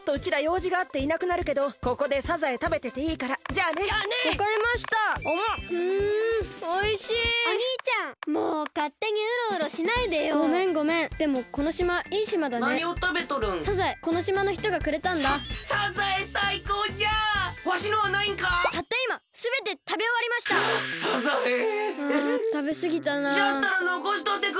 じゃったらのこしとってくれたらええのに！